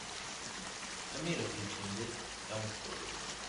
I made a few changes, don't worry.